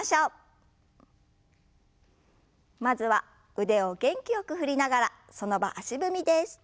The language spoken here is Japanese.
まずは腕を元気よく振りながらその場足踏みです。